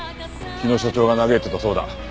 日野所長が嘆いていたそうだ。